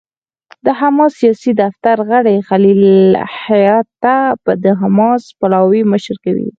د حماس سیاسي دفتر غړی خلیل الحية به د حماس پلاوي مشري کوي.